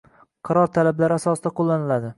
Qaror talablari asosida qo‘llaniladi.